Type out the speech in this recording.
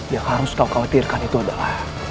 yang harus kau khawatirkan itu adalah